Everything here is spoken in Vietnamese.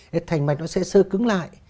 thế thành mạch nó sẽ sơ cứng lại